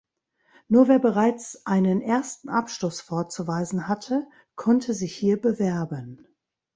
Nur wer bereits einen ersten Abschluss vorzuweisen hatte, konnte sich hier bewerben.